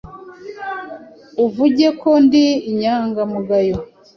Uvuge ko ndi inyangamugayo,